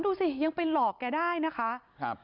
ดูสิยังไปหลอกแกได้นะคะครับ